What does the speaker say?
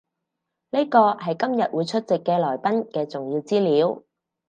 呢個係今日會出席嘅來賓嘅重要資料